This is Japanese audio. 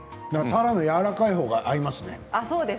たらの、やわらかいほうが合いますね。